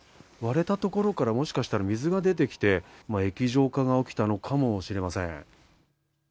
割れたところからもしかしたら水が出てきて液状化が起きたのかもしれません。